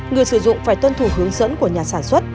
người sử dụng phải tuân thủ hướng dẫn của nhà sản xuất